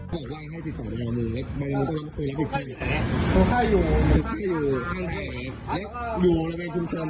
พ่อบ้านให้ติดต่อบ้านมือแล้วบ้านมือต้องกำลังไปคุยกับผู้ชม